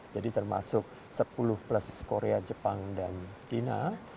jadi termasuk sepuluh plus korea jepang dan china